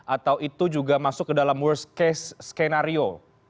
atau itu juga masuk ke dalam worst case skenario